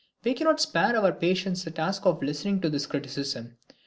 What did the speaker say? We cannot spare our patients the task of listening to this criticism.